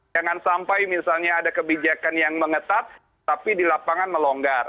jangan sampai misalnya ada kebijakan yang mengetat tapi di lapangan melonggar